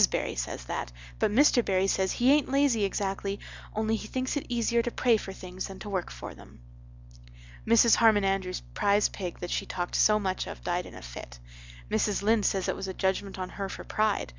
Barry says that but Mr. Barry says he aint lazy exactly only he thinks it easier to pray for things than to work for them. "Mrs. Harmon Andrews prize pig that she talked so much of died in a fit. Mrs. Lynde says it was a judgment on her for pride.